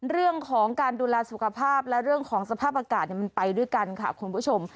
เรื่องของการดูแลสุขภาพและเรื่องของสภาพอากาศมันไปด้วยกันค่ะคุณผู้ชม